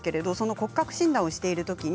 骨格診断をしているときに。